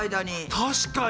確かに。